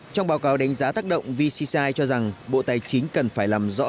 trong báo cáo đánh giá tác động vcci cho rằng bộ tài chính cần phải làm rõ